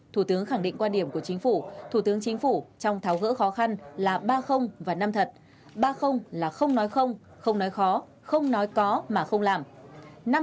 thủ tướng khẳng định quan điểm của chính phủ thủ tướng chính phủ trong tháo gỡ khó khăn là ba và năm thật ba là không nói không không nói khó không nói có mà không làm